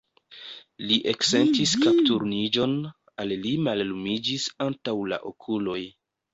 Li eksentis kapturniĝon, al li mallumiĝis antaŭ la okuloj.